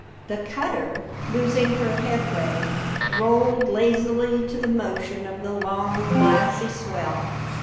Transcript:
The cutter, losing her headway, rolled lazily to the motion of the long, glassy swell.